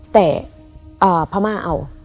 แต่พม่าเอา